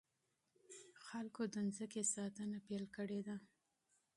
خلکو د ځمکې ساتنه پيل کړې ده.